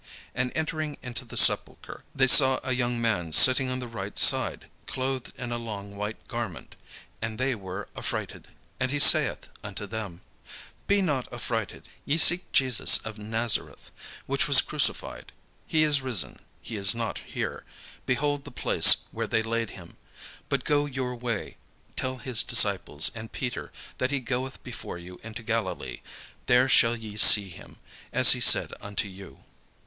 And entering into the sepulchre, they saw a young man sitting on the right side, clothed in a long white garment; and they were affrighted. And he saith unto them: "Be not affrighted: Ye seek Jesus of Nazareth, which was crucified: he is risen; he is not here: behold the place where they laid him. But go your way, tell his disciples and Peter that he goeth before you into Galilee: there shall ye see him, as he said unto you."